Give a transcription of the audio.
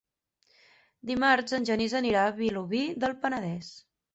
Dimarts en Genís anirà a Vilobí del Penedès.